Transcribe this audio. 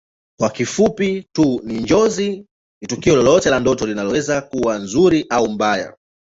Kwa kifupi tu Njozi ni tukio lolote la ndoto inaweza kuwa nzuri au mbaya